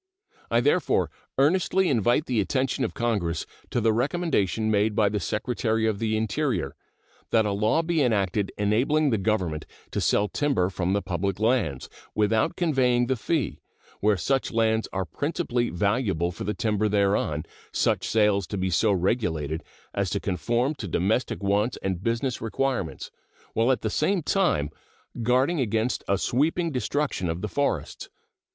I therefore earnestly invite the attention of Congress to the recommendation made by the Secretary of the Interior, that a law be enacted enabling the Government to sell timber from the public lands without conveying the fee, where such lands are principally valuable for the timber thereon, such sales to be so regulated as to conform to domestic wants and business requirements, while at the same time guarding against a sweeping destruction of the forests.